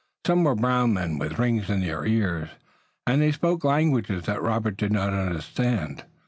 Some were brown men with rings in their ears, and they spoke languages that Robert did not understand.